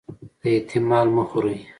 د یتيم مال مه خوري